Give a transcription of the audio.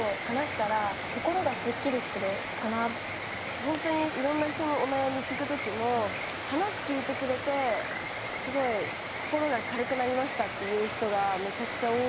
自分のいろんな人のお悩み聞くときも話聞いてくれてすごい心が軽くなりましたっていう人がめちゃくちゃ多いので。